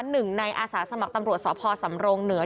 หนึ่งในอาสาสมัครตำรวจสพสำรงเหนือ